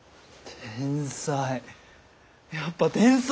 天才。